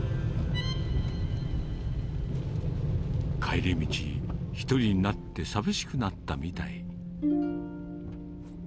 帰り道、１人になって寂しくなったみたい。